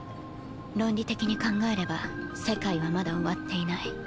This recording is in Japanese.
論理的に考えれば世界はまだ終わっていない。